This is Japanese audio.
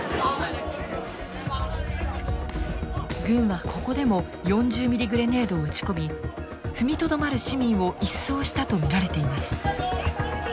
軍はここでも４０ミリグレネードを撃ち込み踏みとどまる市民を一掃したと見られています。